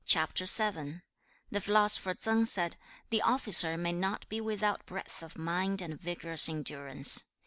The philosopher Tsang said, 'The officer may not be without breadth of mind and vigorous endurance.